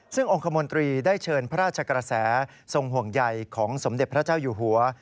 ซึ่งองค์คมนตรีได้เชิญพระราชกระแสทรงห่วงใยของสมเด็จพระเจ้าอยู่หัว